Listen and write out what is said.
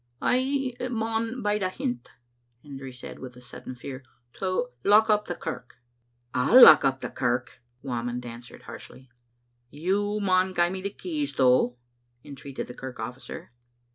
"I maun bide ahint," Hendry said, with a sudden fear, "to lock up the kirk." " I'll lock up the kirk," Whamond answered harshly. "You maun gie me the keys, though," entreated the kirk officer.